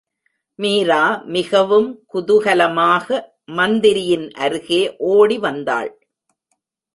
மீரா மிகவும் குதுகலமாக மந்திரியின் அருகே ஒடி வந்தாள்.